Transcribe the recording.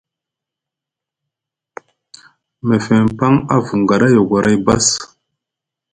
Mefeŋ paŋ a vunga ɗa a yogoray bass.